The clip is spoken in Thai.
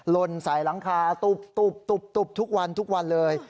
ลนสายหลังคาตุบทุกวันเลย